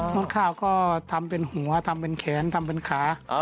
ข้าวก็ทำเป็นหัวทำเป็นแขนทำเป็นขา